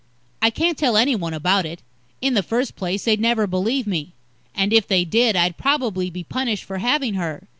I can't tell anyone about it. In the first place, they'd never believe me. And, if they did, I'd probably be punished for having her.